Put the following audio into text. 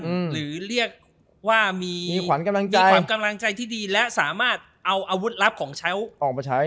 หรือเรียกว่ามีขวัญกำลังใจมีความกำลังใจที่ดีและสามารถเอาอาวุธลับของใช้ออกมาใช้